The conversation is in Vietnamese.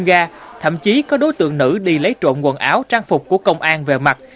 nhưng ra thậm chí có đối tượng nữ đi lấy trộn quần áo trang phục của công an về mặt